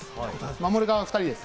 守る側は２人です。